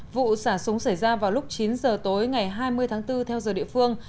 vụ xả súng xảy ra vào lúc chín giờ tối ngày hai mươi tháng bốn theo giờ địa phương